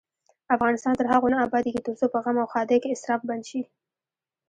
افغانستان تر هغو نه ابادیږي، ترڅو په غم او ښادۍ کې اسراف بند نشي.